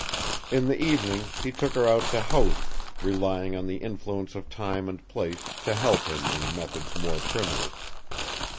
In the evening he took her out to Howth, relying on the influence of time and place to help him in methods more primitive.